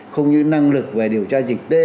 không những năng lực về điều tra dịch tễ